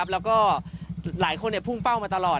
แล้วก็หลายคนพุ่งเป้ามาตลอด